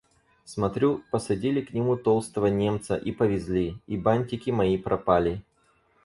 Смотрю, посадили к нему толстого Немца и повезли... И бантики мои пропали!..